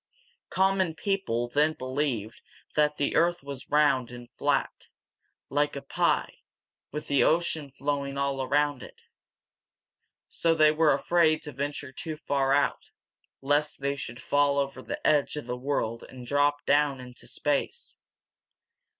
Common people then believed that the earth was round and flat, like a pie, with the ocean flowing all around it. So they were afraid to venture too far out, lest they should fall over the edge of the world and drop down into space!